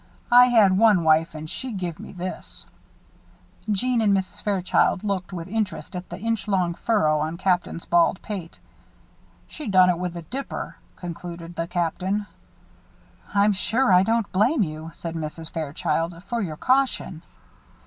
I had one wife and she give me this." Jeanne and Mrs. Fairchild looked with interest at the inch long furrow on the Captain's bald pate. "She done it with the dipper," concluded the Captain. "I'm sure I don't blame you," said Mrs. Fairchild, "for your caution."